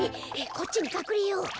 こっちにかくれよう！